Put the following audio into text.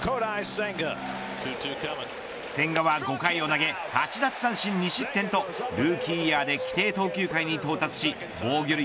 千賀は５回を投げ８奪三振２失点とルーキーイヤーで規定投球回に到達し防御率